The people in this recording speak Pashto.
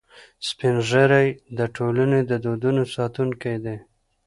سپین ږیری د ټولنې د دودونو ساتونکي دي